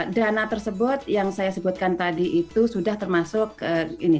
dana tersebut yang saya sebutkan tadi itu sudah termasuk ini